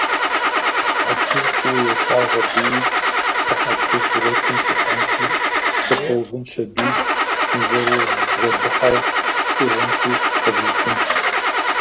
Хьэпшыр фӏыуэ елъагъу абыи, сэ хьэпшыр сурэтым сихьэнщи, сыкъыпэувынщ аби, нызэрызбгъэдыхьэу сыкъеуэнщи къэзукӏынщ!